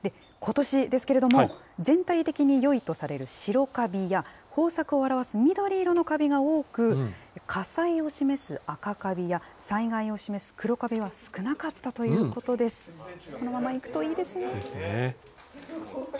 ことしですけれども、全体的によいとされる白かびや、豊作を表す緑色のかびが多く、火災を示す赤かびや、災害を示す黒かびは少なかったということです。ですね。